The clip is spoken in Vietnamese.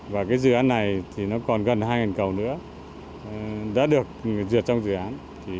và dự án này thì nó còn gần hai cầu nữa đã được duyệt trong dự án